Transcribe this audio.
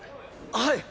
はい。